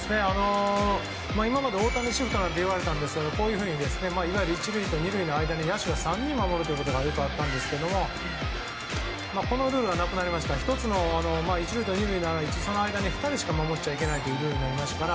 今まで大谷シフトなんていわれたんですけどこういうふうにいわゆる１塁と２塁の間に野手３人で守るということがよくあったんですがこのルールがなくなりまして１塁と２塁の間その間に２人しか守っちゃいけないというルールになりましたから。